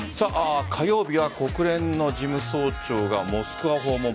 火曜日は国連の事務総長がモスクワを訪問。